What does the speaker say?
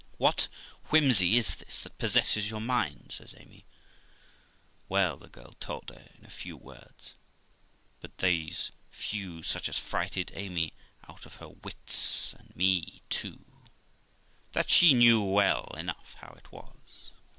What whimsey is this that possesses your mind?' says Amy. Well, the girl told her in a few words (but those few such as frighted Amy out of her wits, and me too) that she knew well enough how it was.